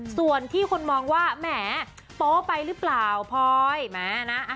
ส่วนที่คนมองว่าแหมโป๊ไปหรือเปล่าพลอยแม้นะ